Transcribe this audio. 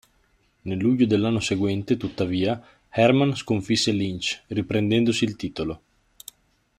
Nel luglio dell'anno seguente, tuttavia, Herman sconfisse Lynch, riprendendosi il titolo.